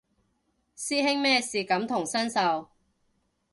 師兄咩事感同身受